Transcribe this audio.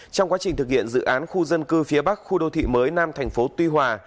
trong quá trình thực hiện dự án khu dân cư phía bắc khu đô thị mới nam thành phố tuy hòa